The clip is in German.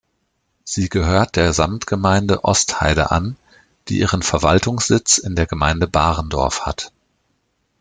Sie gehört der Samtgemeinde Ostheide an, die ihren Verwaltungssitz in der Gemeinde Barendorf hat.